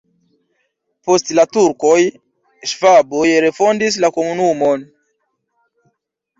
Post la turkoj ŝvaboj refondis la komunumon.